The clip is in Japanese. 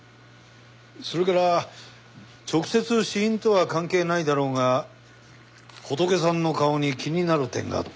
それから直接死因とは関係ないだろうがホトケさんの顔に気になる点があった。